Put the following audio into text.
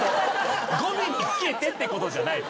語尾につけてってことじゃない。